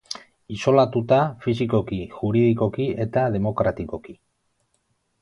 Isolatuta, fisikoki, juridikoki eta demokratikoki.